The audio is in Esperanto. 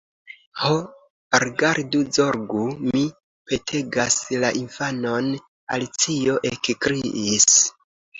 "Ho, rigardu, zorgu,—mi petegas—la infanon!" Alicio ekkriis.